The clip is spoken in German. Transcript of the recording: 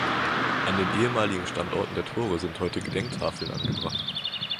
An den ehemaligen Standorten der Tore sind heute Gedenktafeln angebracht.